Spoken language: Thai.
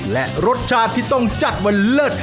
และรสชาติที่ต้องจัดวันเลิศ